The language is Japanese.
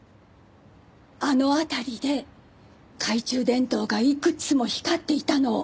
あの辺りで懐中電灯がいくつも光っていたのを。